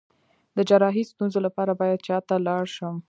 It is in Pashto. د جراحي ستونزو لپاره باید چا ته لاړ شم؟